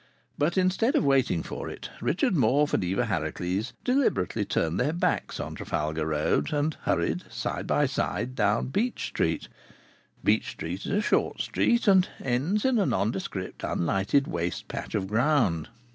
But instead of waiting for it Richard Morfe and Eva Harracles deliberately turned their backs on Trafalgar Road, and hurried side by side down Beech Street. Beech Street is a short street, and ends in a nondescript unlighted waste patch of ground.